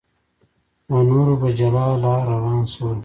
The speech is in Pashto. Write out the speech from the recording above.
له نورو په جلا لار روان شول.